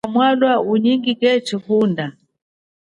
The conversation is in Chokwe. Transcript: Enda mwalwa unyingike chihunda.